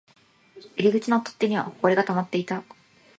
入り口の取っ手には埃が溜まっていた